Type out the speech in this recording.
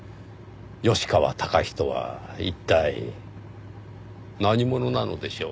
吉川崇とは一体何者なのでしょう？